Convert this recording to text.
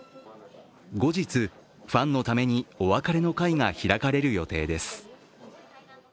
後日、ファンのためにお別れの会が開かれる予定です。